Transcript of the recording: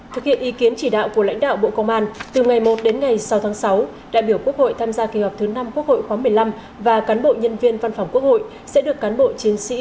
thực hiện ý kiến chỉ đạo của lãnh đạo bộ công an từ ngày một đến ngày sáu tháng sáu đại biểu quốc hội tham gia kỳ họp thứ năm quốc hội khóa một mươi năm và cán bộ nhân viên văn phòng quốc hội sẽ được cán bộ chiến sĩ